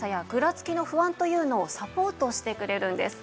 つきの不安というのをサポートしてくれるんです。